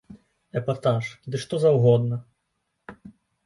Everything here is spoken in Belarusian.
Эпатаж, ды што заўгодна.